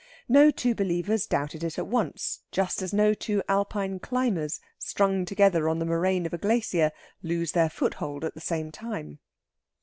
No two believers doubted it at once, just as no two Alpine climbers, strung together on the moraine of a glacier, lose their foothold at the same time.